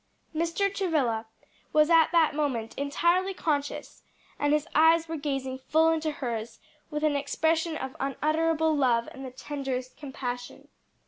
Mr. Travilla was at that moment entirely conscious, and his eyes were gazing full into hers with an expression of unutterable love and the tenderest compassion.